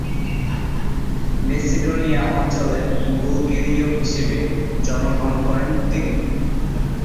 Macedonia অঞ্চলের বুলগেরীয় হিসেবে জন্মগ্রহণ করেন তিনি।